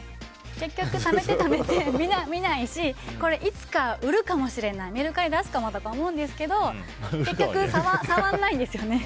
結局、ためてためて見ないしこれいつか売るかもしれないメルカリ出すかもとか思うんですけど結局、触らないんですね。